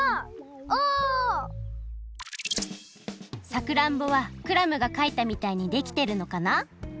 さくらんぼはクラムがかいたみたいにできてるのかな？